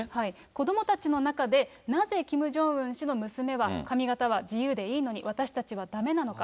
子どもたちの中で、なぜキム・ジョンウン氏の娘は、髪形は自由でいいのに、私たちはだめなのか。